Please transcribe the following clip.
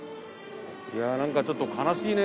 いやあなんかちょっと悲しいね。